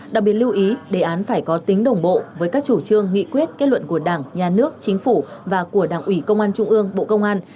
đặc biệt lưu ý đề án phải có tính đồng bộ với các chủ trương nghị quyết kết luận của đảng nhà nước chính phủ và của đảng ủy công an trung ương bộ công an